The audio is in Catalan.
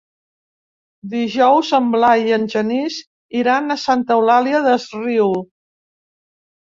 Dijous en Blai i en Genís iran a Santa Eulària des Riu.